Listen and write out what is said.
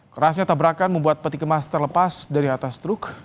kerasnya tabrakan membuat peti kemas terlepas dari atas truk